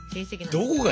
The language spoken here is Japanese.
どこが？